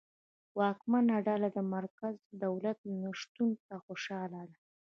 واکمنه ډله د متمرکز دولت نشتون ته خوشاله ده.